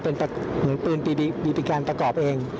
เป็นมือปืนบีบีกันประกอบเอง